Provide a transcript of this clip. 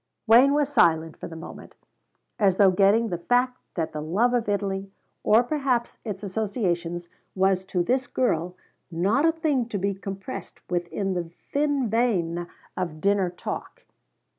Wayne was silent for the moment, as though getting the fact that the love of Italy, or perhaps its associations, was to this girl not a thing to be compressed within the thin vein of dinner talk.